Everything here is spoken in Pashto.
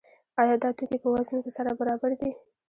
آیا دا توکي په وزن کې سره برابر دي؟